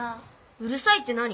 うるいさいって何？